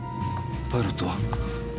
パイロットは？